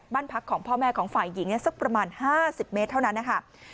บ้านพักของพ่อแม่ของฝ่ายหญิงสักประมาณ๕๐เมตรเท่านั้นนะคะ